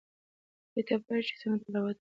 آیا ته پوهیږې چې څنګه تلاوت وکړې؟